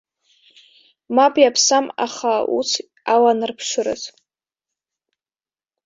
Мап, иаԥсам, аха ус аланарԥшыраз.